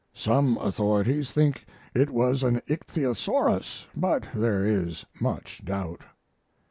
Some authorities think it was an ichthyosaurus, but there is much doubt.